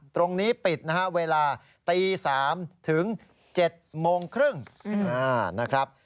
ตรงนี้ปิดเวลาตี๓๐๐ถึง๗๓๐นะครับ